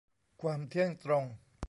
ความเที่ยงตรง